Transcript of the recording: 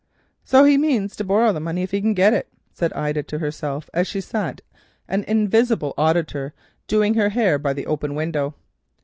"So he means to borrow the money if he can get it," said Ida to herself as she sat, an invisible auditor, doing her hair by the open window.